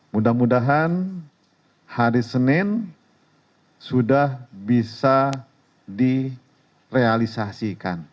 mudah mudahan hari senin sudah bisa direalisasikan